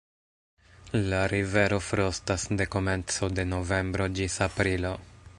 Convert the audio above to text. La rivero frostas de komenco de novembro ĝis aprilo.